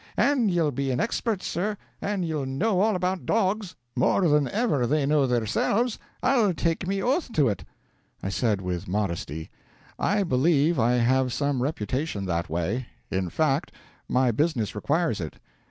And ye'll be an expert, sir, and ye'll know all about dogs more than ever they know theirselves, I'll take me oath to ut." I said, with modesty: "I believe I have some reputation that way. In fact, my business requires it."